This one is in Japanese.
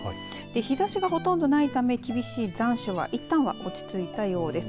日ざしがほとんどないため厳しい残暑はいったんは落ち着いたようです。